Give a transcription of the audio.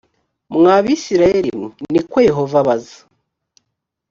mwa bisirayeli mwe ni ko yehova abaza